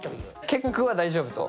結句は大丈夫と。